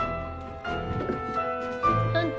あんた。